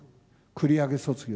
繰り上げ卒業。